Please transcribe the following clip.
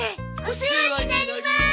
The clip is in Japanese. お世話になります。